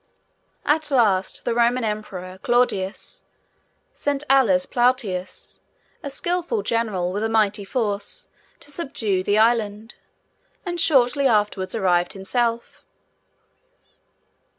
At last, the Roman Emperor, Claudius, sent Aulus Plautius, a skilful general, with a mighty force, to subdue the Island, and shortly afterwards arrived himself.